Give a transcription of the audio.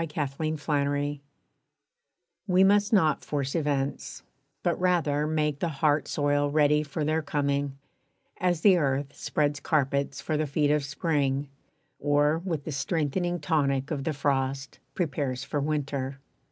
=Preparation= We must not force events, but rather make The heart soil ready for their coming, as The earth spreads carpets for the feet of Spring, Or, with the strengthening tonic of the frost, Prepares for Winter.